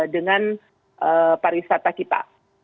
dengan pariwisata kita